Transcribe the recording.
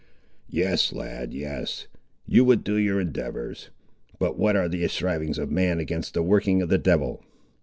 "Yes, lad, yes; you would do your endeavours; but what are the strivings of man against the working of the devil!